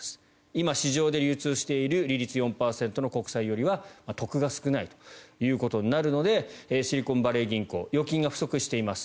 今、市場で流通している利率４％の国債よりは得が少ないということになるのでシリコンバレー銀行は預金が不足しています。